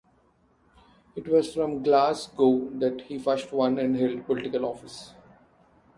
It was from Glasgow that he first won and held political office.